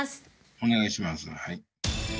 お願いしますはい